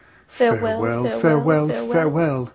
Farewell, farewell, farewell!